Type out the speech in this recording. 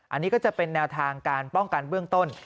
อันนี้ก็จะเป็นแนวทางการป้องกันเบื้องต้น